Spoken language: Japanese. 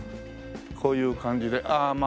こういう感じでああま